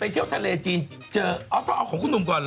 ที่กาเลจีนเจอเอาของคุณหนุ่มก่อนเหรอ